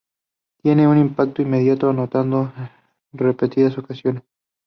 Tienen un impacto inmediato, anotando en repetidas ocasiones.